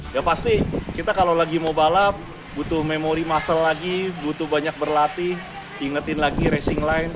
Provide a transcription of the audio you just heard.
ya pasti kita kalau lagi mau balap butuh memori muscle lagi butuh banyak berlatih ingetin lagi racing line